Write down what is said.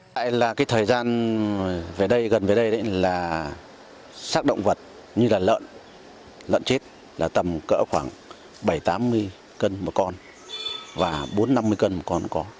tại là cái thời gian gần đây là sát động vật như là lợn lợn chết là tầm cỡ khoảng bảy tám mươi cân một con và bốn năm mươi cân một con có